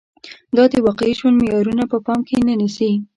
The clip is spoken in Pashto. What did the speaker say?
دا د واقعي ژوند معيارونه په پام کې نه نیسي